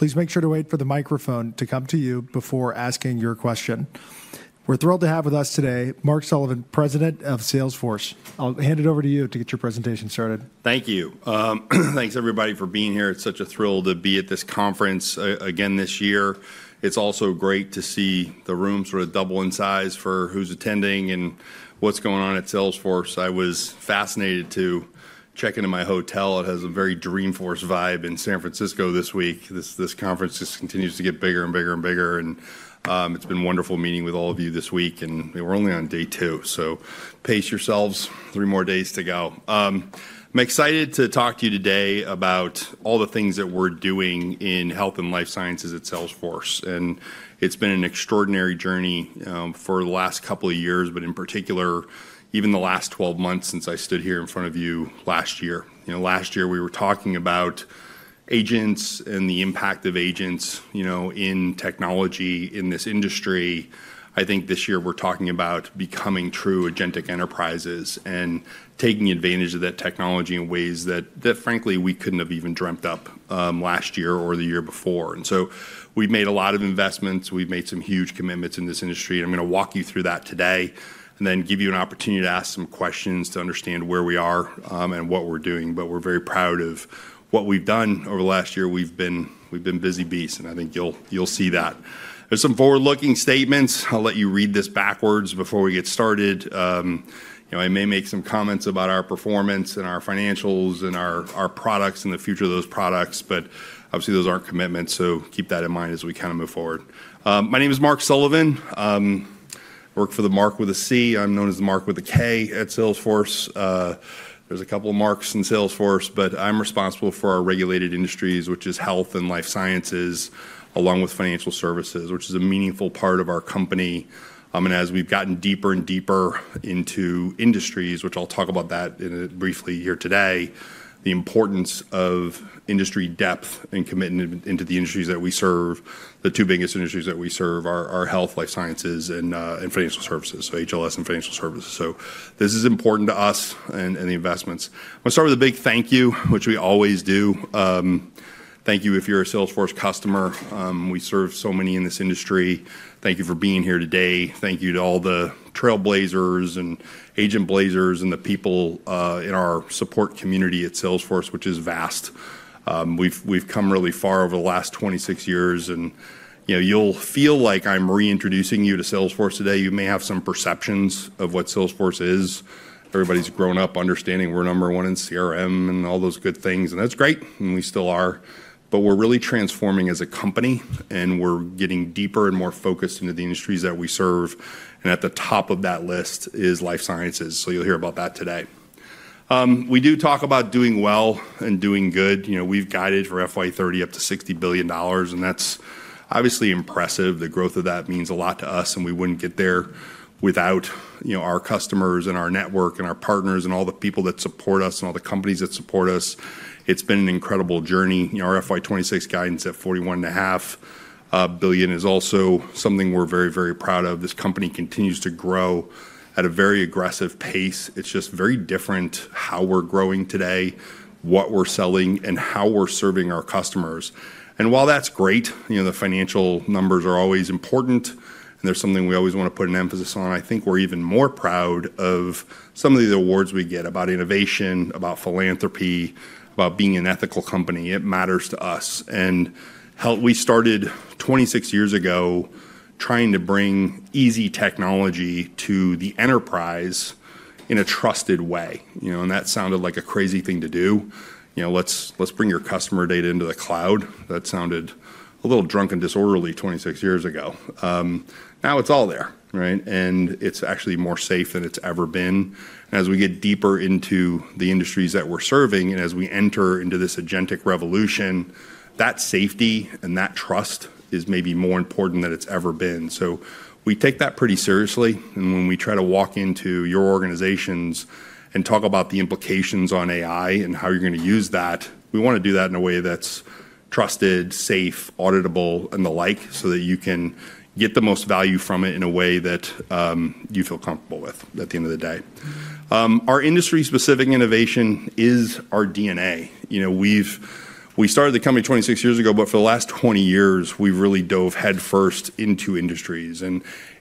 Please make sure to wait for the microphone to come to you before asking your question. We're thrilled to have with us today Mark Sullivan, President of Salesforce. I'll hand it to you to get your presentation started. Thank you. Thanks, everybody, for being here. It's such a thrill to be at this conference again this year. It's also great to see the room sort of double in size for who's attending and what's going on at Salesforce. I was fascinated to check into my hotel. It has a very Dreamforce vibe in San Francisco this week. This conference just continues to get bigger and bigger and bigger, and it's been wonderful meeting with all of you this week, and we're only on day two, so pace yourselves. Three more days to go. I'm excited to talk to you today about all the things that we're doing in health and life sciences at Salesforce, and it's been an extraordinary journey for the last couple of years, but in particular, even the last 12 months since I stood here in front of you last year. Last year, we were talking about agents and the impact of agents in technology in this industry. I think this year we're talking about becoming true agentic enterprises and taking advantage of that technology in ways that, frankly, we couldn't have even dreamt up last year or the year before. And so we've made a lot of investments. We've made some huge commitments in this industry. And I'm going to walk you through that today and then give you an opportunity to ask some questions to understand where we are and what we're doing. But we're very proud of what we've done over the last year. We've been busy beasts, and I think you'll see that. There's some forward-looking statements. I'll let you read this backwards before we get started. I may make some comments about our performance and our financials and our products and the future of those products. But obviously, those aren't commitments, so keep that in mind as we kind of move forward. My name is Mark Sullivan. I work for the Mark with a C. I'm known as the Mark with a K at Salesforce. There's a couple of Marks in Salesforce, but I'm responsible for our regulated industries, which is health and life sciences, along with financial services, which is a meaningful part of our company. And as we've gotten deeper and deeper into industries, which I'll talk about that briefly here today, the importance of industry depth and commitment into the industries that we serve, the two biggest industries that we serve are health, life sciences, and financial services, so HLS and financial services. So this is important to us and the investments. I want to start with a big thank you, which we always do. Thank you if you're a Salesforce customer. We serve so many in this industry. Thank you for being here today. Thank you to all the trailblazers and agent blazers and the people in our support community at Salesforce, which is vast. We've come really far over the last 26 years, and you'll feel like I'm reintroducing you to Salesforce today. You may have some perceptions of what Salesforce is. Everybody's grown up understanding we're number one in CRM and all those good things. That's great, and we still are. We're really transforming as a company, and we're getting deeper and more focused into the industries that we serve. At the top of that list is life sciences. You'll hear about that today. We do talk about doing well and doing good. We've guided for FY 30 up to $60 billion, and that's obviously impressive. The growth of that means a lot to us, and we wouldn't get there without our customers and our network and our partners and all the people that support us and all the companies that support us. It's been an incredible journey. Our FY 26 guidance at $41.5 billion is also something we're very, very proud of. This company continues to grow at a very aggressive pace. It's just very different how we're growing today, what we're selling, and how we're serving our customers. And while that's great, the financial numbers are always important, and they're something we always want to put an emphasis on. I think we're even more proud of some of these awards we get about innovation, about philanthropy, about being an ethical company. It matters to us. And we started 26 years ago trying to bring easy technology to the enterprise in a trusted way. And that sounded like a crazy thing to do. Let's bring your customer data into the cloud. That sounded a little drunk and disorderly 26 years ago. Now it's all there, and it's actually more safe than it's ever been. And as we get deeper into the industries that we're serving and as we enter into this agentic revolution, that safety and that trust is maybe more important than it's ever been. So we take that pretty seriously. When we try to walk into your organizations and talk about the implications on AI and how you're going to use that, we want to do that in a way that's trusted, safe, auditable, and the like so that you can get the most value from it in a way that you feel comfortable with at the end of the day. Our industry-specific innovation is our DNA. We started the company 26 years ago, but for the last 20 years, we've really dove headfirst into industries.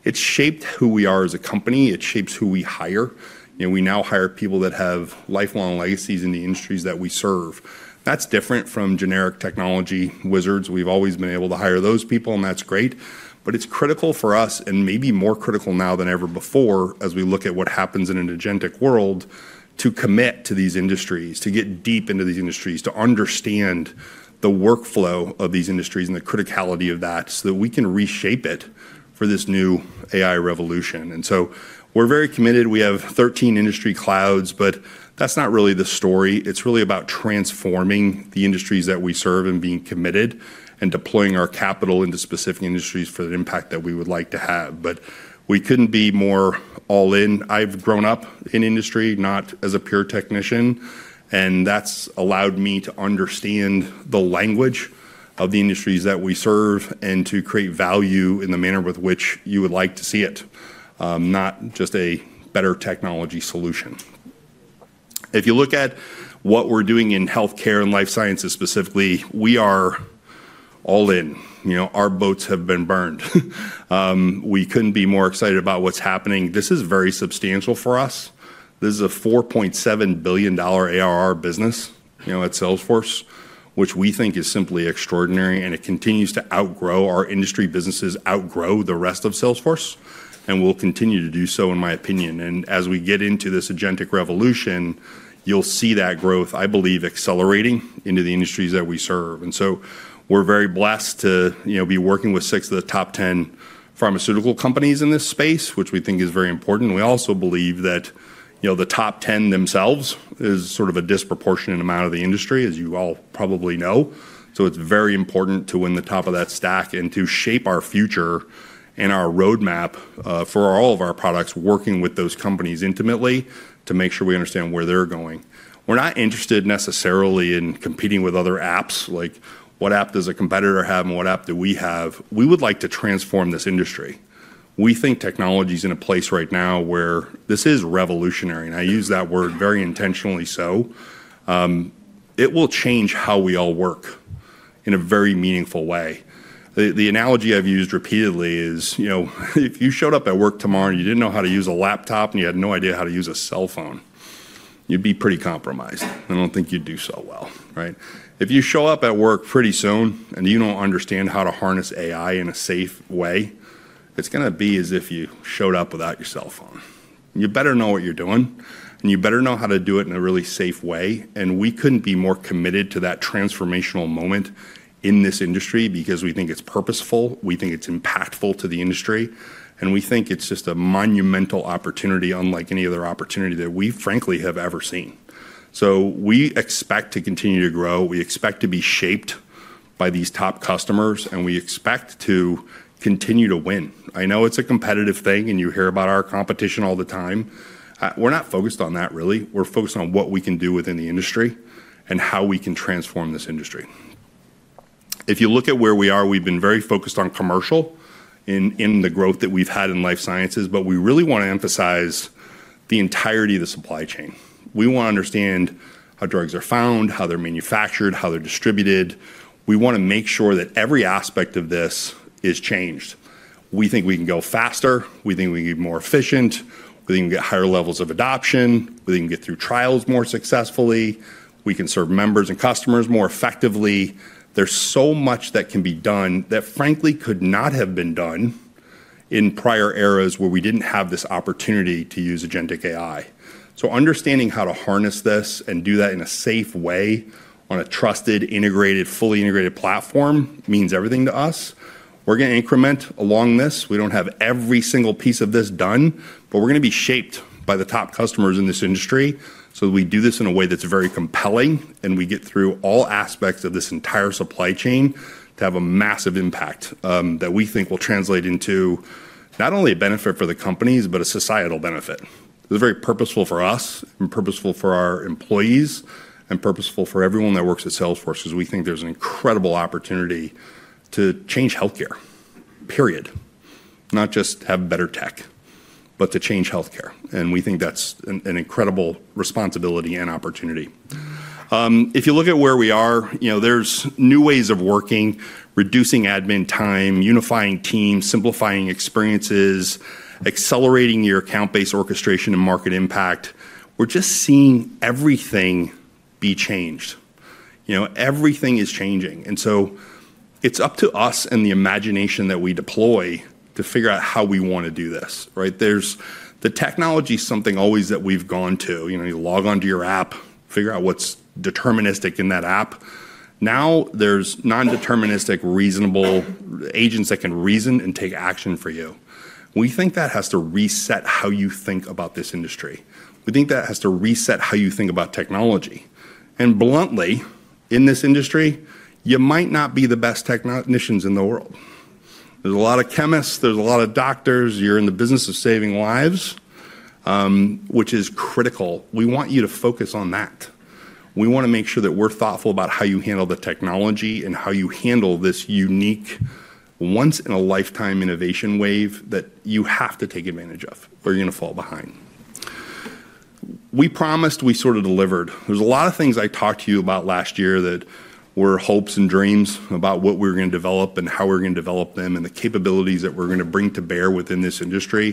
It’s shaped who we are as a company. It shapes who we hire. We now hire people that have lifelong legacies in the industries that we serve. That's different from generic technology wizards. We've always been able to hire those people, and that's great. But it's critical for us and maybe more critical now than ever before as we look at what happens in an agentic world to commit to these industries, to get deep into these industries, to understand the workflow of these industries and the criticality of that so that we can reshape it for this new AI revolution. And so we're very committed. We have 13 industry clouds, but that's not really the story. It's really about transforming the industries that we serve and being committed and deploying our capital into specific industries for the impact that we would like to have. But we couldn't be more all-in. I've grown up in industry, not as a pure technician, and that's allowed me to understand the language of the industries that we serve and to create value in the manner with which you would like to see it, not just a better technology solution. If you look at what we're doing in healthcare and life sciences specifically, we are all in. Our boats have been burned. We couldn't be more excited about what's happening. This is very substantial for us. This is a $4.7 billion ARR business at Salesforce, which we think is simply extraordinary. And it continues to outgrow. Our industry businesses outgrow the rest of Salesforce, and we'll continue to do so, in my opinion. And as we get into this agentic revolution, you'll see that growth, I believe, accelerating into the industries that we serve. And so we're very blessed to be working with six of the top 10 pharmaceutical companies in this space, which we think is very important. We also believe that the top 10 themselves is sort of a disproportionate amount of the industry, as you all probably know. So it's very important to win the top of that stack and to shape our future and our roadmap for all of our products, working with those companies intimately to make sure we understand where they're going. We're not interested necessarily in competing with other apps. Like, what app does a competitor have and what app do we have? We would like to transform this industry. We think technology's in a place right now where this is revolutionary. And I use that word very intentionally so. It will change how we all work in a very meaningful way. The analogy I've used repeatedly is, if you showed up at work tomorrow and you didn't know how to use a laptop and you had no idea how to use a cell phone, you'd be pretty compromised. I don't think you'd do so well. If you show up at work pretty soon and you don't understand how to harness AI in a safe way, it's going to be as if you showed up without your cell phone. You better know what you're doing, and you better know how to do it in a really safe way, and we couldn't be more committed to that transformational moment in this industry because we think it's purposeful. We think it's impactful to the industry, and we think it's just a monumental opportunity, unlike any other opportunity that we, frankly, have ever seen, so we expect to continue to grow. We expect to be shaped by these top customers, and we expect to continue to win. I know it's a competitive thing, and you hear about our competition all the time. We're not focused on that, really. We're focused on what we can do within the industry and how we can transform this industry. If you look at where we are, we've been very focused on commercial in the growth that we've had in life sciences, but we really want to emphasize the entirety of the supply chain. We want to understand how drugs are found, how they're manufactured, how they're distributed. We want to make sure that every aspect of this is changed. We think we can go faster. We think we can be more efficient. We think we can get higher levels of adoption. We think we can get through trials more successfully. We can serve members and customers more effectively. There's so much that can be done that, frankly, could not have been done in prior eras where we didn't have this opportunity to use agentic AI. So understanding how to harness this and do that in a safe way on a trusted, integrated, fully integrated platform means everything to us. We're going to increment along this. We don't have every single piece of this done, but we're going to be shaped by the top customers in this industry so that we do this in a way that's very compelling and we get through all aspects of this entire supply chain to have a massive impact that we think will translate into not only a benefit for the companies, but a societal benefit. This is very purposeful for us and purposeful for our employees and purposeful for everyone that works at Salesforce because we think there's an incredible opportunity to change healthcare. Period, not just have better tech, but to change healthcare. And we think that's an incredible responsibility and opportunity. If you look at where we are, there's new ways of working, reducing admin time, unifying teams, simplifying experiences, accelerating your account-based orchestration and market impact. We're just seeing everything be changed. Everything is changing. And so it's up to us and the imagination that we deploy to figure out how we want to do this. The technology is something always that we've gone to. You log onto your app, figure out what's deterministic in that app. Now there's non-deterministic, reasonable agents that can reason and take action for you. We think that has to reset how you think about this industry. We think that has to reset how you think about technology. And bluntly, in this industry, you might not be the best technicians in the world. There's a lot of chemists. There's a lot of doctors. You're in the business of saving lives, which is critical. We want you to focus on that. We want to make sure that we're thoughtful about how you handle the technology and how you handle this unique, once-in-a-lifetime innovation wave that you have to take advantage of or you're going to fall behind. We promised we sort of delivered. There's a lot of things I talked to you about last year that were hopes and dreams about what we were going to develop and how we're going to develop them and the capabilities that we're going to bring to bear within this industry.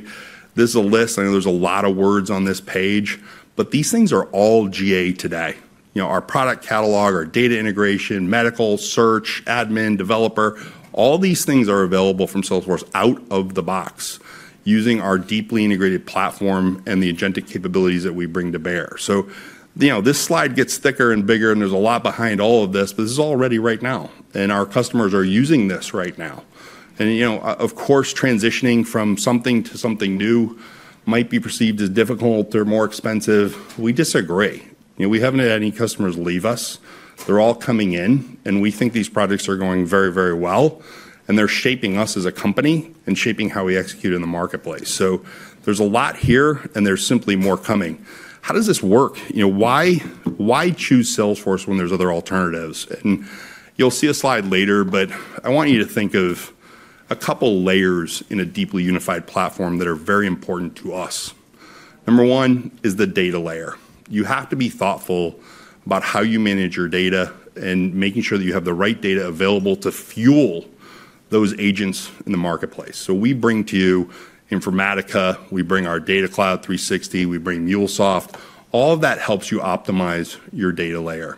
This is a list. I know there's a lot of words on this page, but these things are all GA today. Our product catalog, our data integration, medical, search, admin, developer, all these things are available from Salesforce out of the box using our deeply integrated platform and the agentic capabilities that we bring to bear. So this slide gets thicker and bigger, and there's a lot behind all of this, but this is all ready right now, and our customers are using this right now. And of course, transitioning from something to something new might be perceived as difficult or more expensive. We disagree. We haven't had any customers leave us. They're all coming in, and we think these projects are going very, very well, and they're shaping us as a company and shaping how we execute in the marketplace. So there's a lot here, and there's simply more coming. How does this work? Why choose Salesforce when there's other alternatives? And you'll see a slide later, but I want you to think of a couple of layers in a deeply unified platform that are very important to us. Number one is the data layer. You have to be thoughtful about how you manage your data and making sure that you have the right data available to fuel those agents in the marketplace. So we bring to you Informatica. We bring our Data Cloud 360. We bring MuleSoft. All of that helps you optimize your data layer.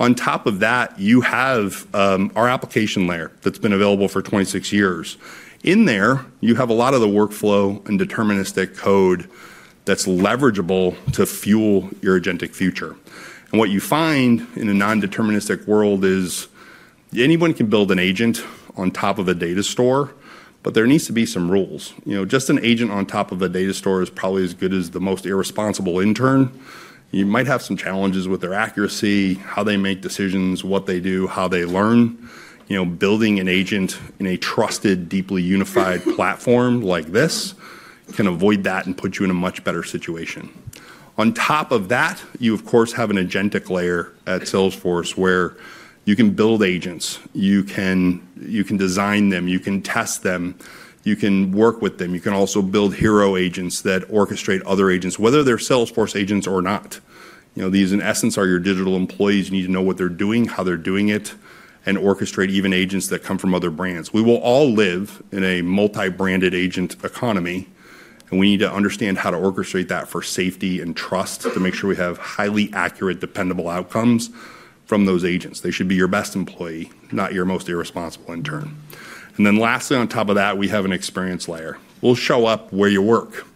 On top of that, you have our application layer that's been available for 26 years. In there, you have a lot of the workflow and deterministic code that's leverageable to fuel your agentic future. And what you find in a non-deterministic world is anyone can build an agent on top of a data store, but there needs to be some rules. Just an agent on top of a data store is probably as good as the most irresponsible intern. You might have some challenges with their accuracy, how they make decisions, what they do, how they learn. Building an agent in a trusted, deeply unified platform like this can avoid that and put you in a much better situation. On top of that, you, of course, have an agentic layer at Salesforce where you can build agents. You can design them. You can test them. You can work with them. You can also build hero agents that orchestrate other agents, whether they're Salesforce agents or not. These, in essence, are your digital employees. You need to know what they're doing, how they're doing it, and orchestrate even agents that come from other brands. We will all live in a multi-branded agent economy, and we need to understand how to orchestrate that for safety and trust to make sure we have highly accurate, dependable outcomes from those agents. They should be your best employee, not your most irresponsible intern. And then lastly, on top of that, we have an experience layer. We'll show up where you work,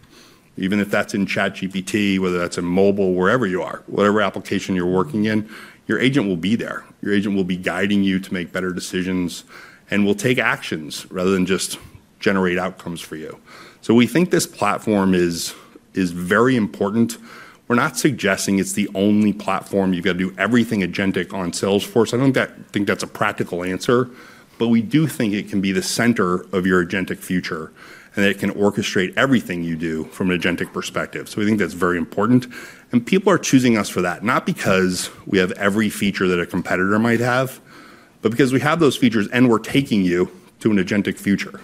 even if that's in ChatGPT, whether that's in mobile, wherever you are, whatever application you're working in. Your agent will be there. Your agent will be guiding you to make better decisions and will take actions rather than just generate outcomes for you. So we think this platform is very important. We're not suggesting it's the only platform. You've got to do everything agentic on Salesforce. I don't think that's a practical answer, but we do think it can be the center of your agentic future and that it can orchestrate everything you do from an agentic perspective. So we think that's very important. And people are choosing us for that, not because we have every feature that a competitor might have, but because we have those features and we're taking you to an agentic future.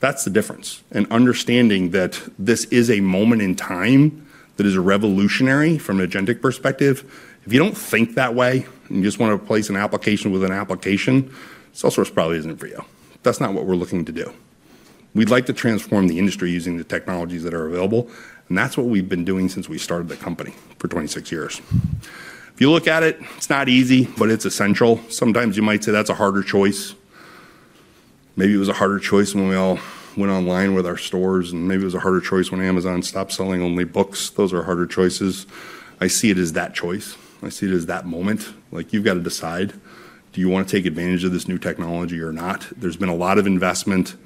That's the difference, and understanding that this is a moment in time that is revolutionary from an agentic perspective. If you don't think that way and you just want to replace an application with an application, Salesforce probably isn't for you. That's not what we're looking to do. We'd like to transform the industry using the technologies that are available, and that's what we've been doing since we started the company for 26 years. If you look at it, it's not easy, but it's essential. Sometimes you might say that's a harder choice. Maybe it was a harder choice when we all went online with our stores, and maybe it was a harder choice when Amazon stopped selling only books. Those are harder choices. I see it as that choice. I see it as that moment. You've got to decide. Do you want to take advantage of this new technology or not? There's been a lot of investment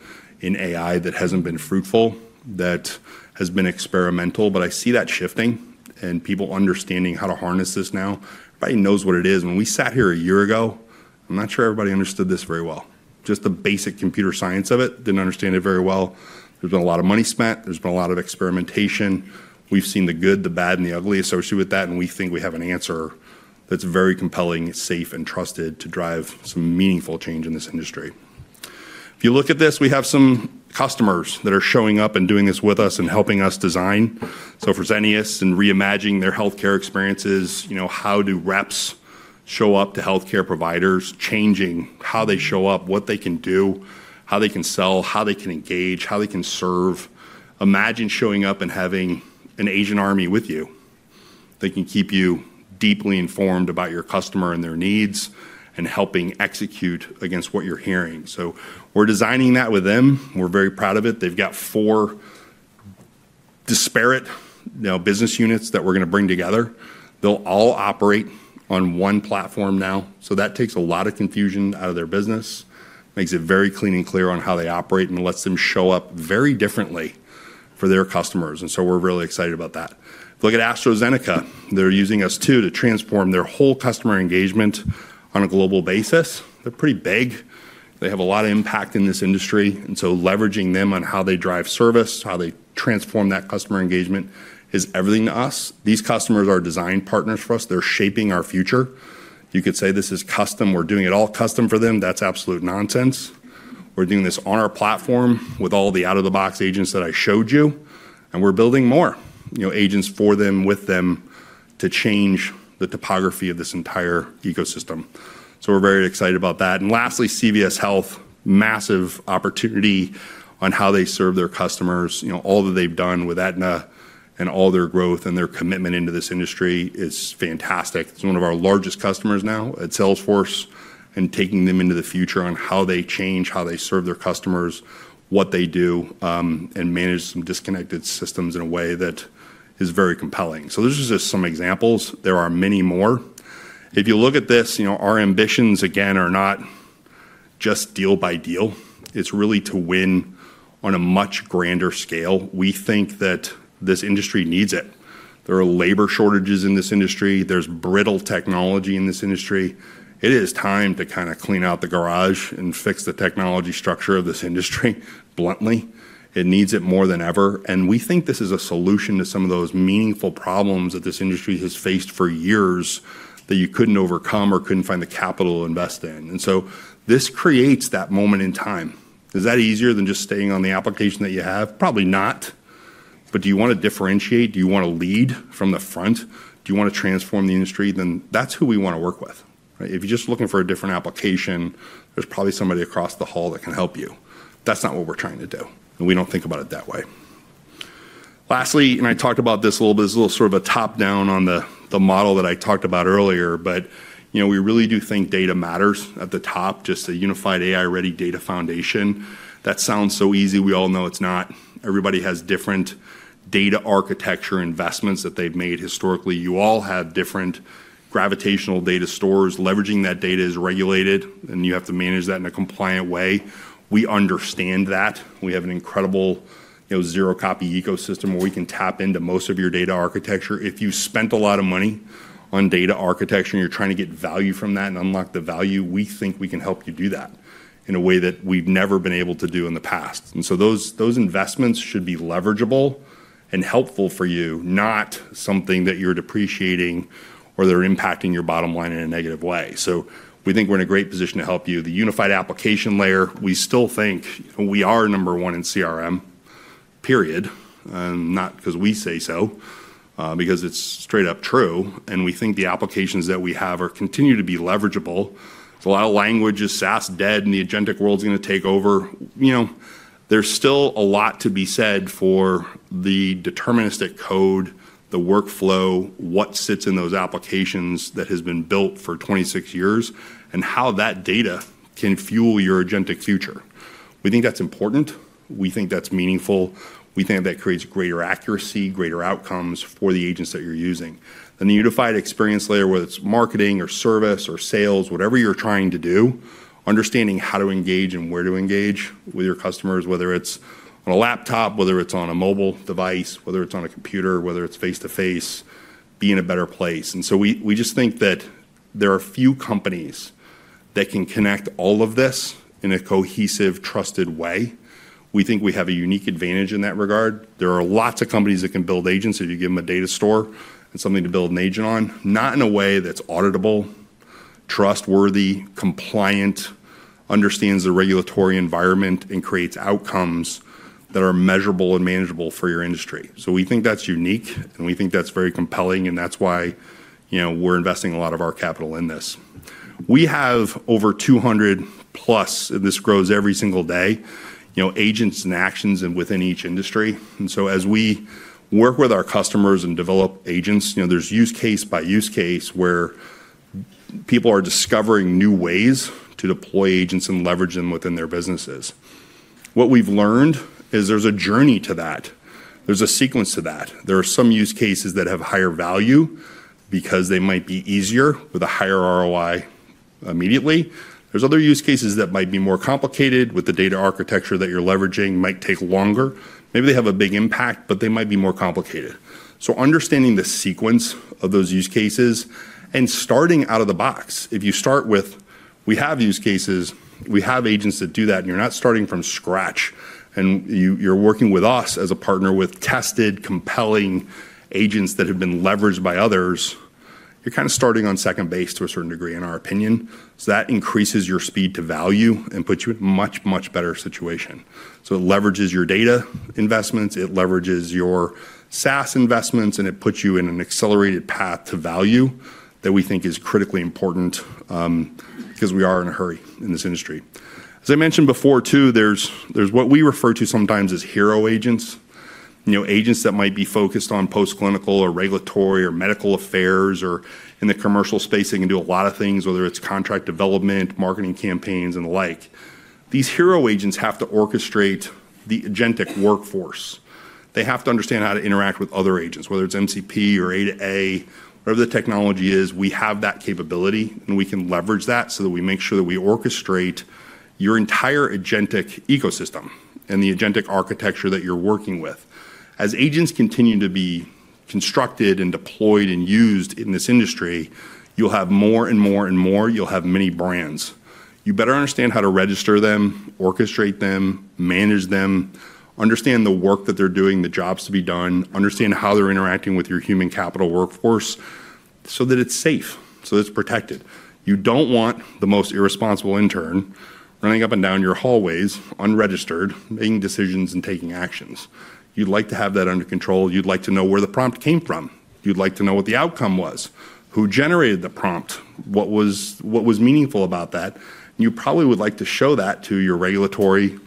in AI that hasn't been fruitful, that has been experimental, but I see that shifting and people understanding how to harness this now. Everybody knows what it is. When we sat here a year ago, I'm not sure everybody understood this very well. Just the basic computer science of it, didn't understand it very well. There's been a lot of money spent. There's been a lot of experimentation. We've seen the good, the bad, and the ugly associated with that, and we think we have an answer that's very compelling, safe, and trusted to drive some meaningful change in this industry. If you look at this, we have some customers that are showing up and doing this with us and helping us design. So for Fresenius and reimagining their healthcare experiences, how do reps show up to healthcare providers, changing how they show up, what they can do, how they can sell, how they can engage, how they can serve. Imagine showing up and having an agent army with you that can keep you deeply informed about your customer and their needs and helping execute against what you're hearing. So we're designing that with them. We're very proud of it. They've got four disparate business units that we're going to bring together. They'll all operate on one platform now. So that takes a lot of confusion out of their business, makes it very clean and clear on how they operate, and lets them show up very differently for their customers. And so we're really excited about that. Look at AstraZeneca. They're using us too to transform their whole customer engagement on a global basis. They're pretty big. They have a lot of impact in this industry. And so leveraging them on how they drive service, how they transform that customer engagement is everything to us. These customers are design partners for us. They're shaping our future. You could say this is custom. We're doing it all custom for them. That's absolute nonsense. We're doing this on our platform with all the out-of-the-box agents that I showed you, and we're building more agents for them with them to change the topography of this entire ecosystem. So we're very excited about that. And lastly, CVS Health, massive opportunity on how they serve their customers. All that they've done with Aetna and all their growth and their commitment into this industry is fantastic. It's one of our largest customers now at Salesforce and taking them into the future on how they change, how they serve their customers, what they do, and manage some disconnected systems in a way that is very compelling. So this is just some examples. There are many more. If you look at this, our ambitions, again, are not just deal by deal. It's really to win on a much grander scale. We think that this industry needs it. There are labor shortages in this industry. There's brittle technology in this industry. It is time to kind of clean out the garage and fix the technology structure of this industry, bluntly. It needs it more than ever. And we think this is a solution to some of those meaningful problems that this industry has faced for years that you couldn't overcome or couldn't find the capital to invest in. And so this creates that moment in time. Is that easier than just staying on the application that you have? Probably not. But do you want to differentiate? Do you want to lead from the front? Do you want to transform the industry? Then that's who we want to work with. If you're just looking for a different application, there's probably somebody across the hall that can help you. That's not what we're trying to do, and we don't think about it that way. Lastly, and I talked about this a little bit, it's a little sort of a top-down on the model that I talked about earlier, but we really do think data matters at the top, just a unified AI-ready data foundation. That sounds so easy. We all know it's not. Everybody has different data architecture investments that they've made historically. You all have different gravitational data stores. Leveraging that data is regulated, and you have to manage that in a compliant way. We understand that. We have an incredible zero-copy ecosystem where we can tap into most of your data architecture. If you spent a lot of money on data architecture and you're trying to get value from that and unlock the value, we think we can help you do that in a way that we've never been able to do in the past. And so those investments should be leverageable and helpful for you, not something that you're depreciating or they're impacting your bottom line in a negative way. So we think we're in a great position to help you. The unified application layer, we still think we are number one in CRM, period, not because we say so, because it's straight up true. And we think the applications that we have continue to be leverageable. It's a lot of language: is SaaS dead and the agentic world is going to take over. There's still a lot to be said for the deterministic code, the workflow, what sits in those applications that has been built for 26 years, and how that data can fuel your agentic future. We think that's important. We think that's meaningful. We think that creates greater accuracy, greater outcomes for the agents that you're using. And the unified experience layer, whether it's marketing or service or sales, whatever you're trying to do, understanding how to engage and where to engage with your customers, whether it's on a laptop, whether it's on a mobile device, whether it's on a computer, whether it's face-to-face, be in a better place. And so we just think that there are few companies that can connect all of this in a cohesive, trusted way. We think we have a unique advantage in that regard. There are lots of companies that can build agents if you give them a data store and something to build an agent on, not in a way that's auditable, trustworthy, compliant, understands the regulatory environment, and creates outcomes that are measurable and manageable for your industry. So we think that's unique, and we think that's very compelling, and that's why we're investing a lot of our capital in this. We have over 200-plus agents and actions within each industry, and this grows every single day. And so as we work with our customers and develop agents, there's use case by use case where people are discovering new ways to deploy agents and leverage them within their businesses. What we've learned is there's a journey to that. There's a sequence to that. There are some use cases that have higher value because they might be easier with a higher ROI immediately. There's other use cases that might be more complicated with the data architecture that you're leveraging, might take longer. Maybe they have a big impact, but they might be more complicated. So understanding the sequence of those use cases and starting out of the box. If you start with, "We have use cases. We have agents that do that," and you're not starting from scratch and you're working with us as a partner with tested, compelling agents that have been leveraged by others, you're kind of starting on second base to a certain degree, in our opinion. So that increases your speed to value and puts you in a much, much better situation. So it leverages your data investments. It leverages your SaaS investments, and it puts you in an accelerated path to value that we think is critically important because we are in a hurry in this industry. As I mentioned before too, there's what we refer to sometimes as hero agents, agents that might be focused on post-clinical or regulatory or medical affairs or in the commercial space. They can do a lot of things, whether it's contract development, marketing campaigns, and the like. These hero agents have to orchestrate the agentic workforce. They have to understand how to interact with other agents, whether it's MCP or A to A, whatever the technology is. We have that capability, and we can leverage that so that we make sure that we orchestrate your entire agentic ecosystem and the agentic architecture that you're working with. As agents continue to be constructed and deployed and used in this industry, you'll have more and more and more. You'll have many brands. You better understand how to register them, orchestrate them, manage them, understand the work that they're doing, the jobs to be done, understand how they're interacting with your human capital workforce so that it's safe, so it's protected. You don't want the most irresponsible intern running up and down your hallways unregistered, making decisions and taking actions. You'd like to have that under control. You'd like to know where the prompt came from. You'd like to know what the outcome was, who generated the prompt, what was meaningful about that. You probably would like to show that to your regulatory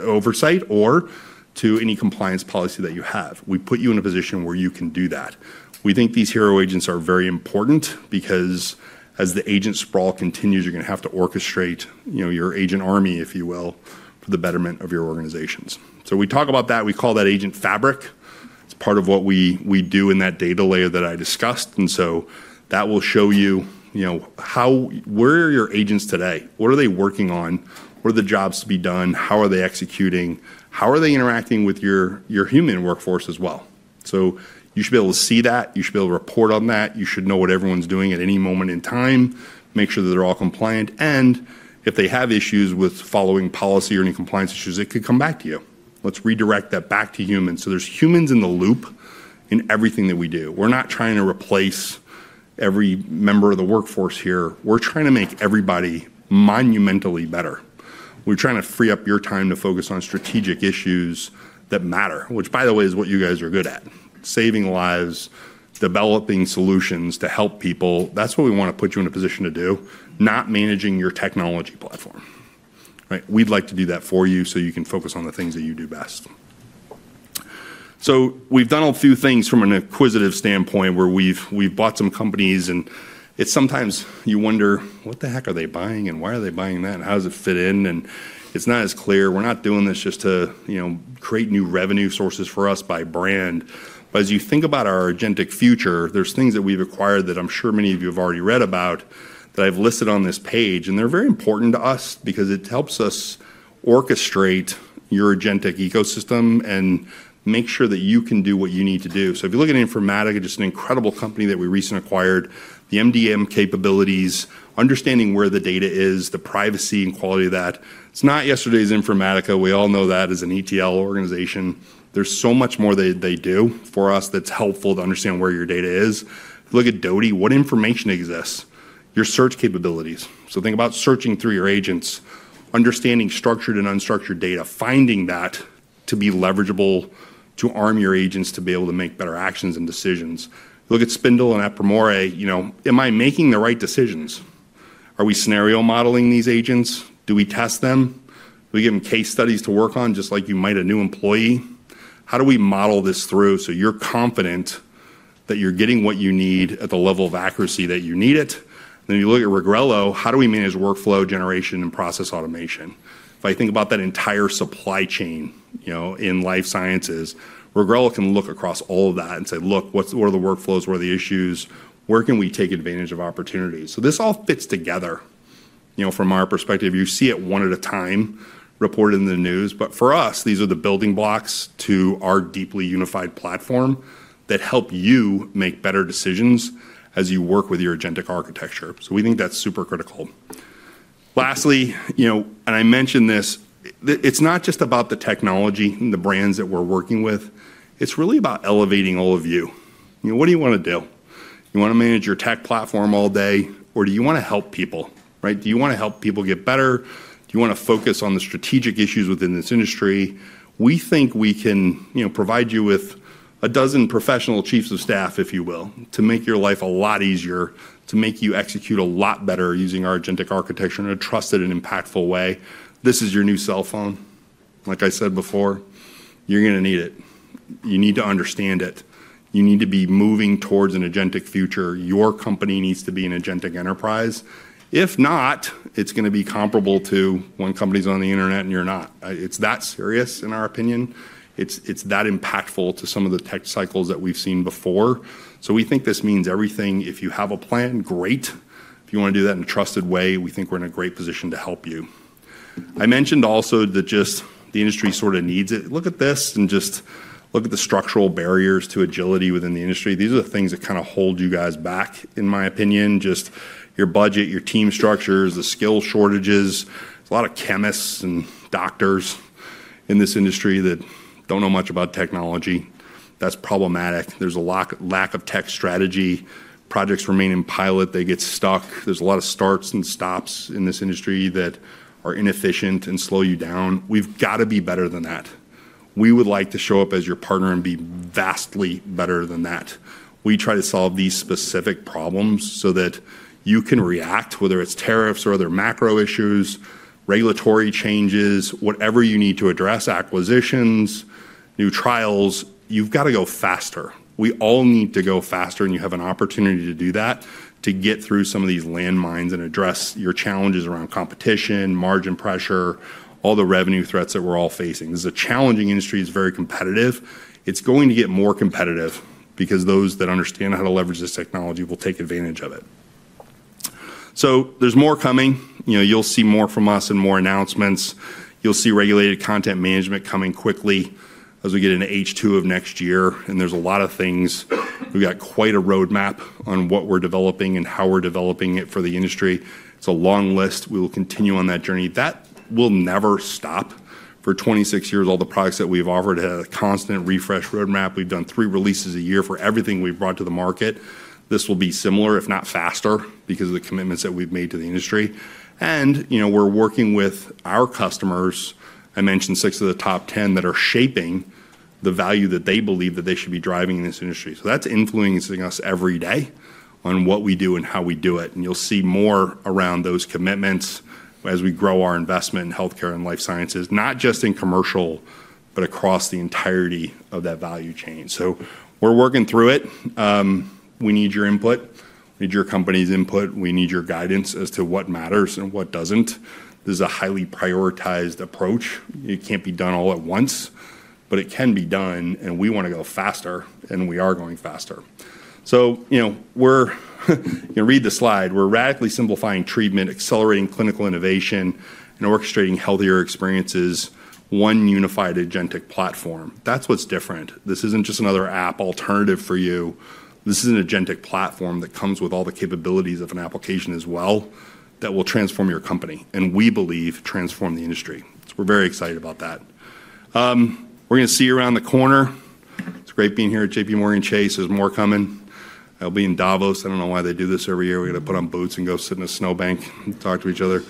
oversight or to any compliance policy that you have. We put you in a position where you can do that. We think these hero agents are very important because as the agent sprawl continues, you're going to have to orchestrate your agent army, if you will, for the betterment of your organizations. So we talk about that. We call that agent fabric. It's part of what we do in that data layer that I discussed. And so that will show you where are your agents today? What are they working on? What are the jobs to be done? How are they executing? How are they interacting with your human workforce as well? So you should be able to see that. You should be able to report on that. You should know what everyone's doing at any moment in time, make sure that they're all compliant. And if they have issues with following policy or any compliance issues, it could come back to you. Let's redirect that back to humans. So there's humans in the loop in everything that we do. We're not trying to replace every member of the workforce here. We're trying to make everybody monumentally better. We're trying to free up your time to focus on strategic issues that matter, which, by the way, is what you guys are good at: saving lives, developing solutions to help people. That's what we want to put you in a position to do, not managing your technology platform. We'd like to do that for you so you can focus on the things that you do best. So we've done a few things from an acquisitive standpoint where we've bought some companies, and it's sometimes you wonder, "What the heck are they buying and why are they buying that? And how does it fit in?" And it's not as clear. We're not doing this just to create new revenue sources for us by brand, but as you think about our agentic future, there's things that we've acquired that I'm sure many of you have already read about that I've listed on this page, and they're very important to us because it helps us orchestrate your agentic ecosystem and make sure that you can do what you need to do, so if you look at Informatica, just an incredible company that we recently acquired, the MDM capabilities, understanding where the data is, the privacy and quality of that. It's not yesterday's Informatica. We all know that as an ETL organization. There's so much more they do for us that's helpful to understand where your data is. If you look at Tableau, what information exists? Your search capabilities. So think about searching through your agents, understanding structured and unstructured data, finding that to be leverageable to arm your agents to be able to make better actions and decisions. Look at Spindle and Apromore. Am I making the right decisions? Are we scenario modeling these agents? Do we test them? Do we give them case studies to work on, just like you might a new employee? How do we model this through so you're confident that you're getting what you need at the level of accuracy that you need it? Then you look at Regrello. How do we manage workflow generation and process automation? If I think about that entire supply chain in life sciences, Regrello can look across all of that and say, "Look, what are the workflows? What are the issues? Where can we take advantage of opportunities?" So this all fits together from our perspective. You see it one at a time reported in the news. But for us, these are the building blocks to our deeply unified platform that help you make better decisions as you work with your agentic architecture. So we think that's super critical. Lastly, and I mentioned this, it's not just about the technology and the brands that we're working with. It's really about elevating all of you. What do you want to do? You want to manage your tech platform all day, or do you want to help people? Do you want to help people get better? Do you want to focus on the strategic issues within this industry? We think we can provide you with a dozen professional chiefs of staff, if you will, to make your life a lot easier, to make you execute a lot better using our agentic architecture in a trusted and impactful way. This is your new cell phone. Like I said before, you're going to need it. You need to understand it. You need to be moving towards an agentic future. Your company needs to be an agentic enterprise. If not, it's going to be comparable to when companies are on the internet and you're not. It's that serious, in our opinion. It's that impactful to some of the tech cycles that we've seen before. So we think this means everything. If you have a plan, great. If you want to do that in a trusted way, we think we're in a great position to help you. I mentioned also that just the industry sort of needs it. Look at this and just look at the structural barriers to agility within the industry. These are the things that kind of hold you guys back, in my opinion, just your budget, your team structures, the skill shortages. There's a lot of chemists and doctors in this industry that don't know much about technology. That's problematic. There's a lack of tech strategy. Projects remain in pilot. They get stuck. There's a lot of starts and stops in this industry that are inefficient and slow you down. We've got to be better than that. We would like to show up as your partner and be vastly better than that. We try to solve these specific problems so that you can react, whether it's tariffs or other macro issues, regulatory changes, whatever you need to address, acquisitions, new trials. You've got to go faster. We all need to go faster, and you have an opportunity to do that, to get through some of these landmines and address your challenges around competition, margin pressure, all the revenue threats that we're all facing. This is a challenging industry. It's very competitive. It's going to get more competitive because those that understand how to leverage this technology will take advantage of it. So there's more coming. You'll see more from us and more announcements. You'll see regulated content management coming quickly as we get into H2 of next year. And there's a lot of things. We've got quite a roadmap on what we're developing and how we're developing it for the industry. It's a long list. We will continue on that journey. That will never stop. For 26 years, all the products that we've offered had a constant refresh roadmap. We've done three releases a year for everything we've brought to the market. This will be similar, if not faster, because of the commitments that we've made to the industry, and we're working with our customers. I mentioned six of the top 10 that are shaping the value that they believe that they should be driving in this industry, so that's influencing us every day on what we do and how we do it, and you'll see more around those commitments as we grow our investment in healthcare and life sciences, not just in commercial, but across the entirety of that value chain, so we're working through it. We need your input. We need your company's input. We need your guidance as to what matters and what doesn't. This is a highly prioritized approach. It can't be done all at once, but it can be done, and we want to go faster, and we are going faster. So you can read the slide. We're radically simplifying treatment, accelerating clinical innovation, and orchestrating healthier experiences, one unified agentic platform. That's what's different. This isn't just another app alternative for you. This is an agentic platform that comes with all the capabilities of an application as well that will transform your company and, we believe, transform the industry. So we're very excited about that. We're going to see you around the corner. It's great being here at JPMorgan Chase. There's more coming. I'll be in Davos. I don't know why they do this every year. We're going to put on boots and go sit in a snowbank and talk to each other.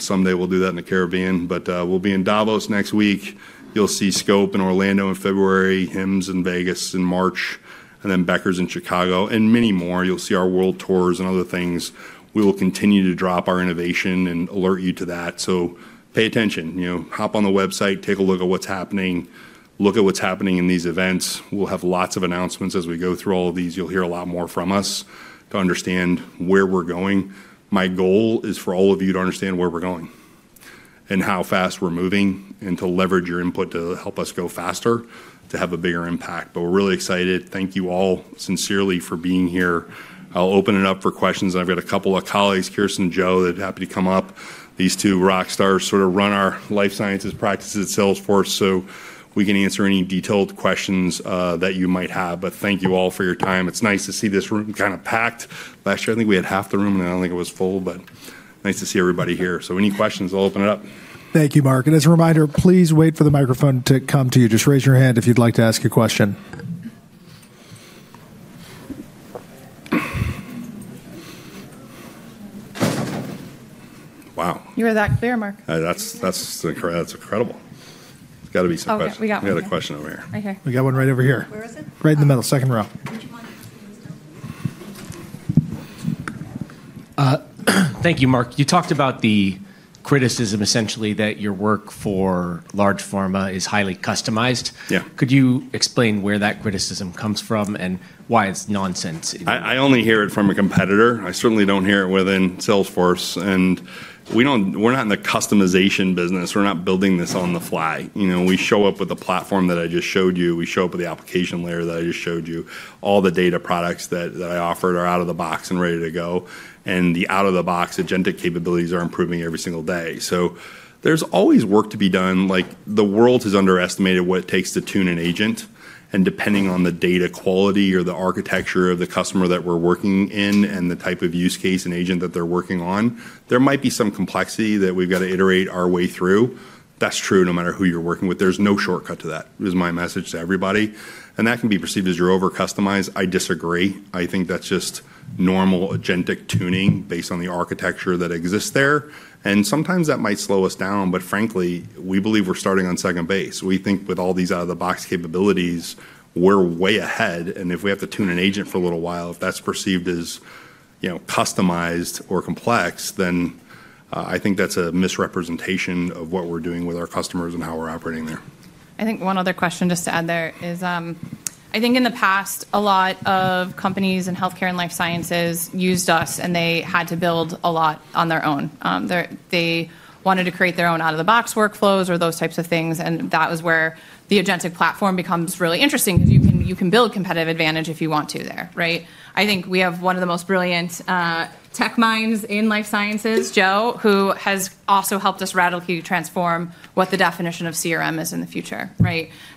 Someday we'll do that in a caravan, but we'll be in Davos next week. You'll see SCOPE in Orlando in February, HIMSS in Vegas in March, and then Becker's in Chicago, and many more. You'll see our world tours and other things. We will continue to drop our innovation and alert you to that. So pay attention. Hop on the website, take a look at what's happening. Look at what's happening in these events. We'll have lots of announcements as we go through all of these. You'll hear a lot more from us to understand where we're going. My goal is for all of you to understand where we're going and how fast we're moving and to leverage your input to help us go faster, to have a bigger impact. But we're really excited. Thank you all sincerely for being here. I'll open it up for questions. I've got a couple of colleagues, Kirsten and Joe, that are happy to come up. These two rock stars sort of run our life sciences practices at Salesforce so we can answer any detailed questions that you might have. But thank you all for your time. It's nice to see this room kind of packed. Last year, I think we had half the room, and I don't think it was full, but nice to see everybody here. So any questions, I'll open it up. Thank you, Mark. And as a reminder, please wait for the microphone to come to you. Just raise your hand if you'd like to ask a question. Wow. You were that clear, Mark. That's incredible. It's got to be some question. We got a question over here. We got one right over here. Where is it? Right in the middle, second row. Thank you, Mark. You talked about the criticism, essentially, that your work for large pharma is highly customized. Could you explain where that criticism comes from and why it's nonsense? I only hear it from a competitor. I certainly don't hear it within Salesforce, and we're not in the customization business. We're not building this on the fly. We show up with the platform that I just showed you. We show up with the application layer that I just showed you. All the data products that I offered are out of the box and ready to go, and the out-of-the-box agentic capabilities are improving every single day, so there's always work to be done. The world has underestimated what it takes to tune an agent, and depending on the data quality or the architecture of the customer that we're working in and the type of use case and agent that they're working on, there might be some complexity that we've got to iterate our way through. That's true no matter who you're working with. There's no shortcut to that. It is my message to everybody. And that can be perceived as you're over-customized. I disagree. I think that's just normal agentic tuning based on the architecture that exists there. And sometimes that might slow us down. But frankly, we believe we're starting on second base. We think with all these out-of-the-box capabilities, we're way ahead. And if we have to tune an agent for a little while, if that's perceived as customized or complex, then I think that's a misrepresentation of what we're doing with our customers and how we're operating there. I think one other question just to add there is I think in the past, a lot of companies in healthcare and life sciences used us, and they had to build a lot on their own. They wanted to create their own out-of-the-box workflows or those types of things. And that was where the agentic platform becomes really interesting because you can build competitive advantage if you want to there. I think we have one of the most brilliant tech minds in life sciences, Joe, who has also helped us radically transform what the definition of CRM is in the future.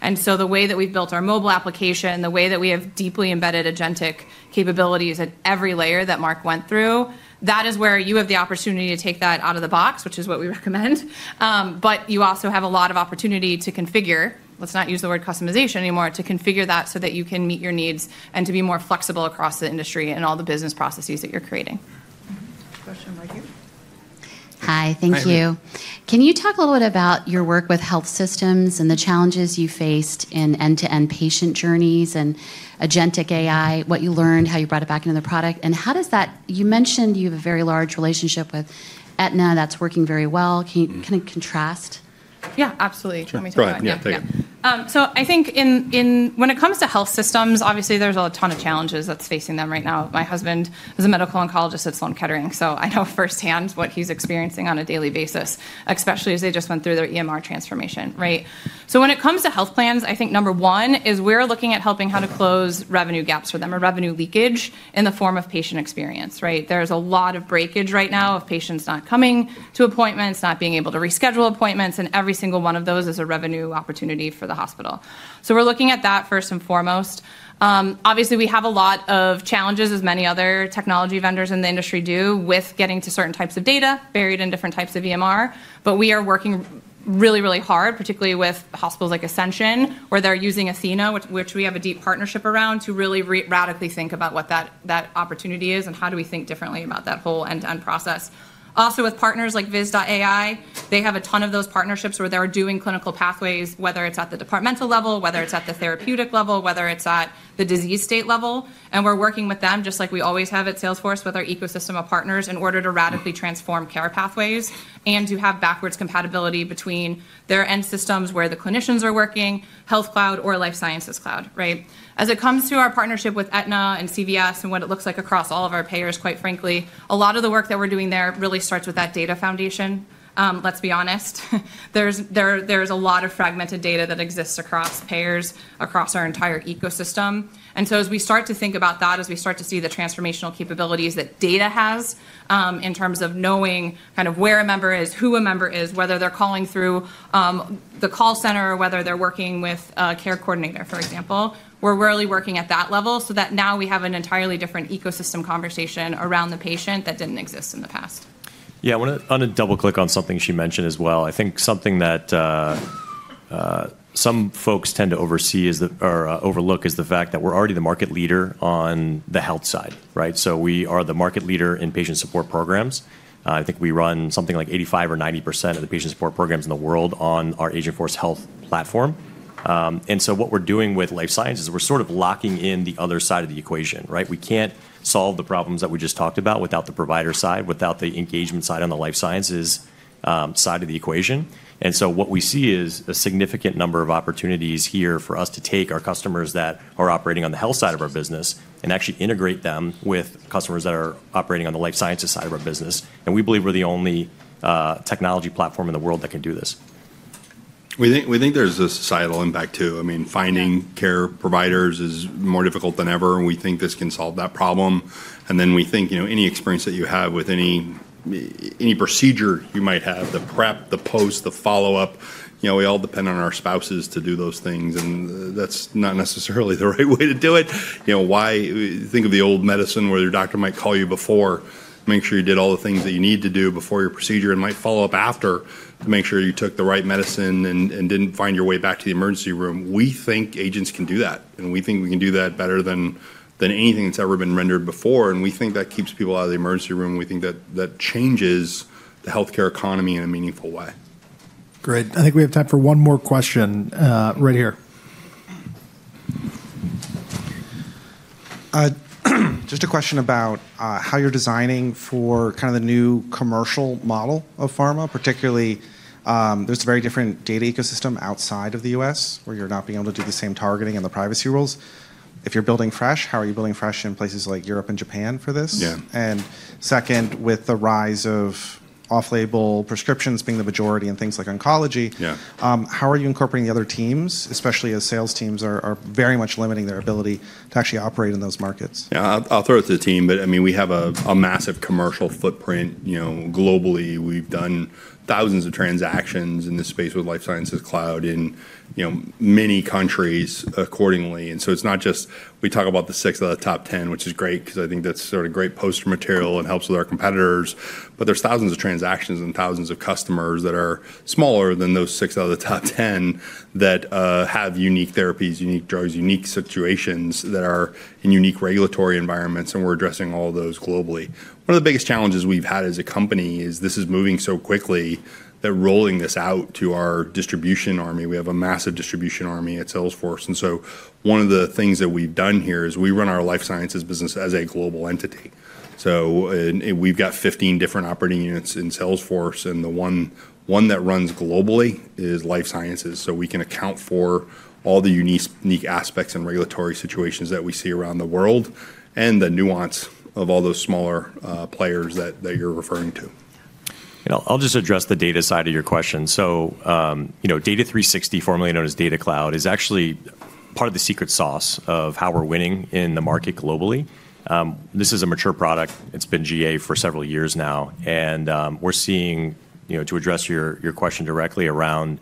And so the way that we've built our mobile application, the way that we have deeply embedded agentic capabilities at every layer that Marc went through, that is where you have the opportunity to take that out of the box, which is what we recommend. But you also have a lot of opportunity to configure. Let's not use the word customization anymore, to configure that so that you can meet your needs and to be more flexible across the industry and all the business processes that you're creating. Question right here. Hi. Thank you. Can you talk a little bit about your work with health systems and the challenges you faced in end-to-end patient journeys and agentic AI, what you learned, how you brought it back into the product? And how does that - you mentioned you have a very large relationship with Aetna that's working very well. Can you kind of contrast? Yeah, absolutely. Tell me something about that. So I think when it comes to health systems, obviously, there's a ton of challenges that's facing them right now. My husband is a medical oncologist at Sloan Kettering, so I know firsthand what he's experiencing on a daily basis, especially as they just went through their EMR transformation. So when it comes to health plans, I think number one is we're looking at helping how to close revenue gaps for them or revenue leakage in the form of patient experience. There is a lot of breakage right now of patients not coming to appointments, not being able to reschedule appointments. And every single one of those is a revenue opportunity for the hospital. So we're looking at that first and foremost. Obviously, we have a lot of challenges, as many other technology vendors in the industry do, with getting to certain types of data buried in different types of EMR. But we are working really, really hard, particularly with hospitals like Ascension, where they're using Athena, which we have a deep partnership around, to really radically think about what that opportunity is and how do we think differently about that whole end-to-end process. Also, with partners like Viz.ai, they have a ton of those partnerships where they're doing clinical pathways, whether it's at the departmental level, whether it's at the therapeutic level, whether it's at the disease state level. And we're working with them, just like we always have at Salesforce, with our ecosystem of partners in order to radically transform care pathways and to have backwards compatibility between their end systems where the clinicians are working, Health Cloud, or Life Sciences Cloud. As it comes to our partnership with Aetna and CVS and what it looks like across all of our payers, quite frankly, a lot of the work that we're doing there really starts with that data foundation. Let's be honest. There's a lot of fragmented data that exists across payers, across our entire ecosystem. And so as we start to think about that, as we start to see the transformational capabilities that data has in terms of knowing kind of where a member is, who a member is, whether they're calling through the call center or whether they're working with a care coordinator, for example, we're really working at that level so that now we have an entirely different ecosystem conversation around the patient that didn't exist in the past. Yeah, I want to double-click on something she mentioned as well. I think something that some folks tend to oversee or overlook is the fact that we're already the market leader on the health side. So we are the market leader in patient support programs. I think we run something like 85% or 90% of the patient support programs in the world on our Agentforce Health platform. And so what we're doing with life sciences, we're sort of locking in the other side of the equation. We can't solve the problems that we just talked about without the provider side, without the engagement side on the life sciences side of the equation. And so what we see is a significant number of opportunities here for us to take our customers that are operating on the health side of our business and actually integrate them with customers that are operating on the life sciences side of our business. And we believe we're the only technology platform in the world that can do this. We think there's a societal impact too. I mean, finding care providers is more difficult than ever. We think this can solve that problem. And then we think any experience that you have with any procedure you might have, the prep, the post, the follow-up, we all depend on our spouses to do those things. And that's not necessarily the right way to do it. Think of the old medicine where your doctor might call you before, make sure you did all the things that you need to do before your procedure, and might follow up after to make sure you took the right medicine and didn't find your way back to the emergency room. We think agents can do that. And we think we can do that better than anything that's ever been rendered before. And we think that keeps people out of the emergency room. We think that changes the healthcare economy in a meaningful way. Great. I think we have time for one more question right here. Just a question about how you're designing for kind of the new commercial model of pharma. Particularly, there's a very different data ecosystem outside of the U.S. where you're not being able to do the same targeting and the privacy rules. If you're building fresh, how are you building fresh in places like Europe and Japan for this? And second, with the rise of off-label prescriptions being the majority in things like oncology, how are you incorporating the other teams, especially as sales teams are very much limiting their ability to actually operate in those markets? Yeah, I'll throw it to the team. But I mean, we have a massive commercial footprint globally. We've done thousands of transactions in this space with Life Sciences Cloud in many countries accordingly. And so it's not just we talk about the six out of the top 10, which is great because I think that's sort of great poster material and helps with our competitors. But there's thousands of transactions and thousands of customers that are smaller than those six out of the top 10 that have unique therapies, unique drugs, unique situations that are in unique regulatory environments. And we're addressing all of those globally. One of the biggest challenges we've had as a company is this is moving so quickly that rolling this out to our distribution army. We have a massive distribution army at Salesforce. And so one of the things that we've done here is we run our life sciences business as a global entity. So we've got 15 different operating units in Salesforce. And the one that runs globally is life sciences. So we can account for all the unique aspects and regulatory situations that we see around the world and the nuance of all those smaller players that you're referring to. I'll just address the data side of your question. So Data Cloud 360, formerly known as Data Cloud, is actually part of the secret sauce of how we're winning in the market globally. This is a mature product. It's been GA for several years now. We're seeing, to address your question directly around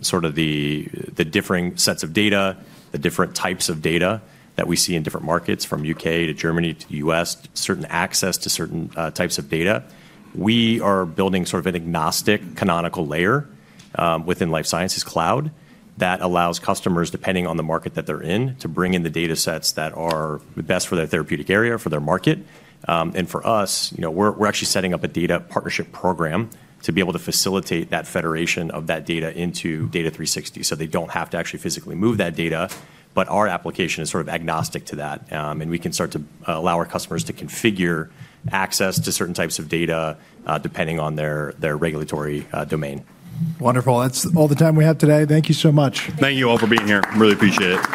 sort of the differing sets of data, the different types of data that we see in different markets from U.K. to Germany to U.S., certain access to certain types of data, we are building sort of an agnostic canonical layer within Life Sciences Cloud that allows customers, depending on the market that they're in, to bring in the data sets that are the best for their therapeutic area, for their market. For us, we're actually setting up a data partnership program to be able to facilitate that federation of that data into Data Cloud 360 so they don't have to actually physically move that data. Our application is sort of agnostic to that. We can start to allow our customers to configure access to certain types of data depending on their regulatory domain. Wonderful. That's all the time we have today. Thank you so much. Thank you all for being here. Really appreciate it.